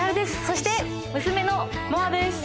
そして娘の。もあです！